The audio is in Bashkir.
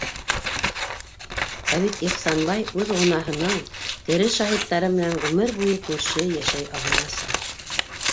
Ә бит Ихсанбай үҙ гонаһының тере шаһиттары менән ғүмер буйы күрше йәшәй алмаясаҡ.